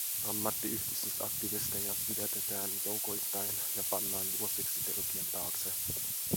Ammattiyhdistysaktivisteja pidätetään joukoittain ja pannaan vuosiksi telkien taakse.